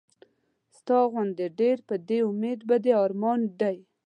ستا غوندې ډېر پۀ دې اميد پۀ دې ارمان دي